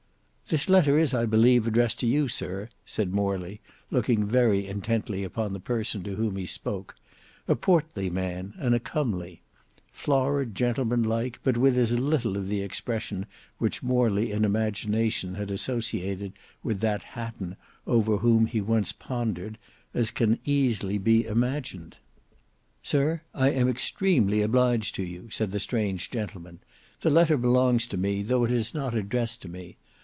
"This letter is I believe addressed to you, Sir," said Morley, looking very intently upon the person to whom he spoke—a portly man and a comely; florid, gentleman like, but with as little of the expression which Morley in imagination had associated with that Hatton over whom he once pondered, as can easily be imagined. "Sir, I am extremely obliged to you," said the strange gentleman; "the letter belongs to me, though it is not addressed to me.